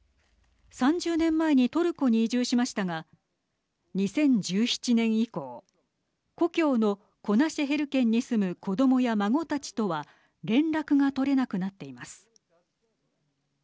３０年前にトルコに移住しましたが２０１７年以降故郷のコナシェヘル県に住む子どもや孫たちとは連絡が取れなくなっています。